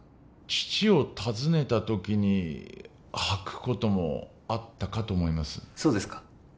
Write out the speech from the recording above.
父を訪ねたときに履くこともあったかと思いますそうですか